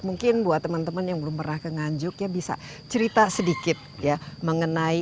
mungkin buat teman teman yang belum pernah ke nganjuk ya bisa cerita sedikit ya mengenai